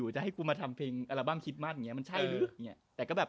จะให้กูมาทำเพลงอัลบั้มคิดมากอย่างเงี้มันใช่หรืออย่างเงี้ยแต่ก็แบบ